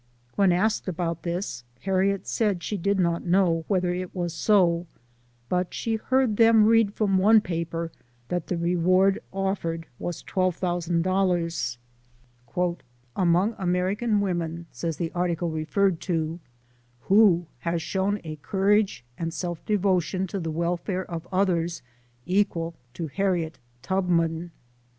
When asked about this, Harriet said she did not know whether it was so, but she heard them read from one paper that the reward offered was $12,000. " Among American women," says the article re ferred to, " who has shown a courage and self devo tion to the welfare of others, equal to Harriet Tubman?